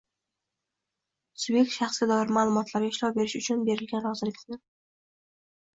Subyekt shaxsga doir ma’lumotlarga ishlov berish uchun berilgan rozilikni